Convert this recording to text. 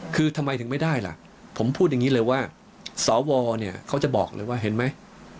คือทำไมถึงไม่ได้ล่ะผมพูดอย่างนี้เลยว่าสวเนี่ยเขาจะบอกเลยว่าเห็นไหม